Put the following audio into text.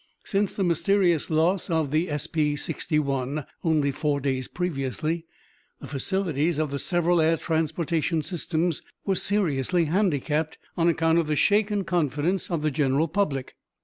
Since the mysterious loss of the SF 61, only four days previously, the facilities of the several air transportation systems were seriously handicapped on account of the shaken confidence of the general public.